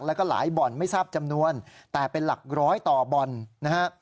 แล้วก็หลายบ่อนไม่ทราบจำนวนแต่เป็นหลักร้อยต่อบ่อนนะฮะ